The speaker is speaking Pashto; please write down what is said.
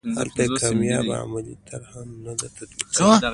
هلته یې کامیابه عملي طرحه نه ده تطبیق کړې.